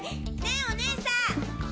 ねェお姉さん！